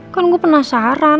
kan gue penasaran